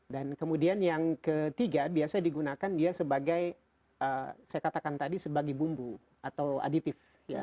dan kemudian yang ketiga biasa digunakan dia sebagai saya katakan tadi sebagai bumbu atau aditif